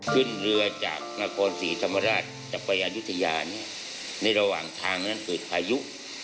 ขึ้นเรือจากนครศรีธรรมราชจะไปอายุทยาเนี่ยในระหว่างทางนั้นเกิดพายุ